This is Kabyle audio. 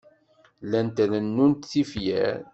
Llant rennunt tifyar.